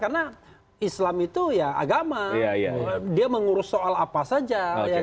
karena islam itu ya agama dia mengurus soal apa saja